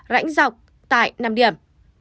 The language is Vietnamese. rãnh dọc tại năm điểm